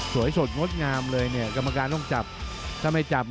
สดงดงามเลยเนี่ยกรรมการต้องจับถ้าไม่จับ